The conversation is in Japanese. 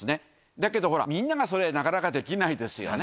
だけど、みんながそれ、なかなかできないですよね。